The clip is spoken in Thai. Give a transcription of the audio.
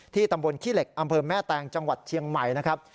ตำบลขี้เหล็กอำเภอแม่แตงจังหวัดเชียงใหม่นะครับ